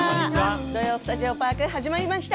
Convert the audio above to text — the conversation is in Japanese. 「土曜スタジオパーク」始まりました。